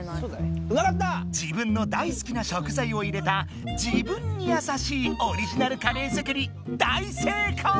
自分の大好きな食材を入れた「自分にやさしい」オリジナルカレー作り大成功！